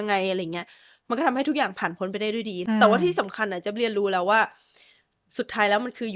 ถามว่าต้นเหตุมันมาจากการไม่ได้นอนเนี่ย